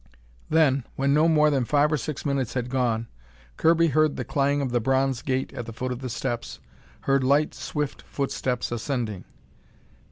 Then, when no more than five or six minutes had gone, Kirby heard the clang of the bronze gate at the foot of the steps, heard light, swift footsteps ascending.